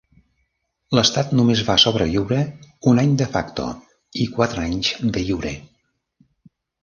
L'estat només va sobreviure un any "de facto" i quatre anys "de iure".